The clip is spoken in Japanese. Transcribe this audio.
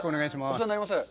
お世話になります。